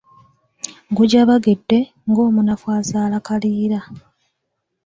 Gujabagidde, ng’omunafu azadde kaliira.